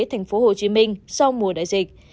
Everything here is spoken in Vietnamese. tp hcm sau mùa đại dịch